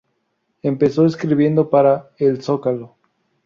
Empezó escribiendo para "El Zócalo".